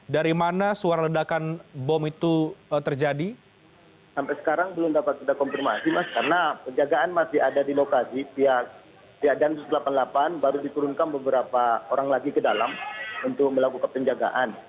di adanya dua ratus delapan puluh delapan baru dikurungkan beberapa orang lagi ke dalam untuk melakukan penjagaan